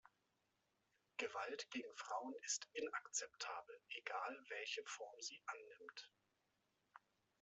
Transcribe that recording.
Gewalt gegen Frauen ist inakzeptabel, egal welche Form sie annimmt.